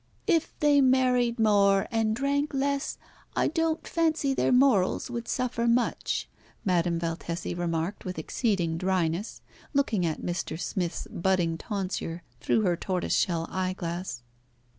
"If they married more and drank less, I don't fancy their morals would suffer much," Madame Valtesi remarked with exceeding dryness, looking at Mr. Smith's budding tonsure through her tortoise shell eyeglass.